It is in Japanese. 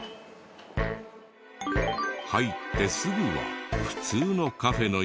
入ってすぐは普通のカフェのようだけど。